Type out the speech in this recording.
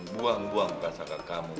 buang buang rasa kekamu